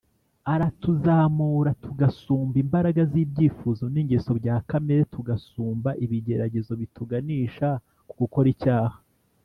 aratuzamura tugasumba imbaraga z’ibyifuzo n’ingeso bya kamere, tugasumba ibigeragezo bituganisha ku gukora icyaha